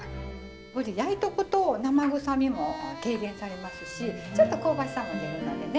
ぶり焼いとくと生臭みも軽減されますしちょっと香ばしさも出るのでね